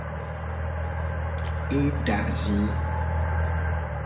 Eda zi.